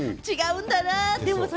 違うんだな。